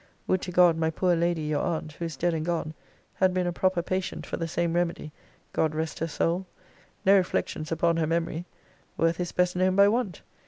Would to God, my poor lady, your aunt, who is dead and gone, had been a proper patient for the same remedy! God rest her soul! No reflections upon her memory! Worth is best known by want!